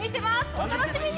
お楽しみに！